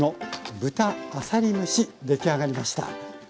出来上がりました。